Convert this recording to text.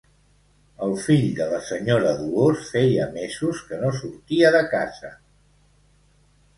El fill de la senyora Dolors feia mesos que no sortia de casa.